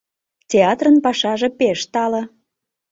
Театрын пашаже пеш тале.